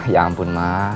ya ampun ma